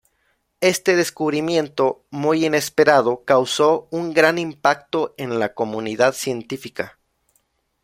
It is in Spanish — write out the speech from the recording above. Este descubrimiento, muy inesperado, causó un gran impacto en la comunidad científica.